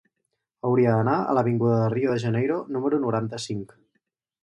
Hauria d'anar a l'avinguda de Rio de Janeiro número noranta-cinc.